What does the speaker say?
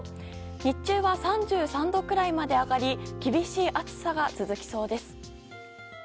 日中は３３度くらいまで上がり厳しい暑さが続きそうです。